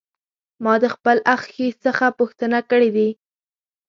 ما د خپل اخښي څخه پوښتنې کړې دي.